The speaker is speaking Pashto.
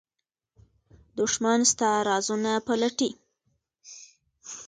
دښمن ستا رازونه پلټي